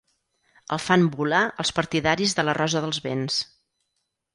El fan volar els partidaris de la rosa dels vents.